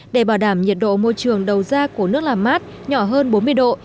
để bảo đảm nhiệt độ môi trường đầu ra của nước làm mát nhỏ hơn bốn mươi độ